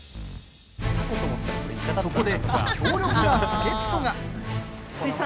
そこで、強力な助っとが。